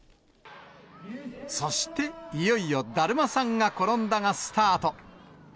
そして、いよいよだるまさんが転んだがスタート。